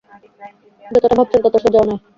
যতটা ভাবছেন তত সোজাও নয়।